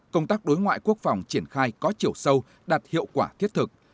công tác đối ngoại quốc phòng triển khai có chiều sâu đạt hiệu quả thiết thực